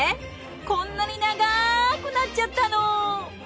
こんなに長くなっちゃったの！